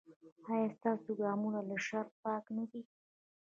ایا ستاسو ګامونه له شر پاک نه دي؟